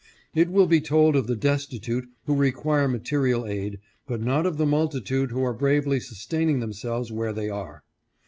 "It will be told of the destitute who require material aid, but not of the multitude who are bravely sustaining themselves where they are.